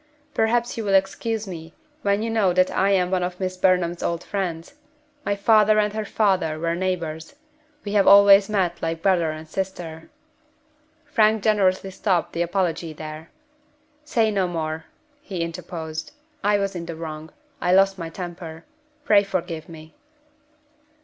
"Perhaps you will excuse me when you know that I am one of Miss Burnham's old friends. My father and her father were neighbors. We have always met like brother and sister " Frank generously stopped the apology there. "Say no more," he interposed. "I was in the wrong I lost my temper. Pray forgive me."